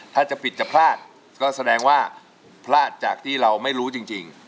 ถ้าจะผิดจะพลาดก็แสดงว่าพลาดจากที่เราไม่รู้จริง